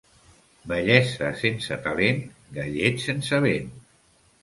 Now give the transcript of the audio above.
Bellesa sense talent, gallet sense vent.